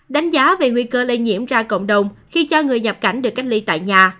đánh giá về nguy cơ lây nhiễm ra cộng đồng khi cho người nhập cảnh được cách ly tại nhà